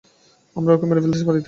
আমরা ওকে মেরে ফেলতে পারি তো!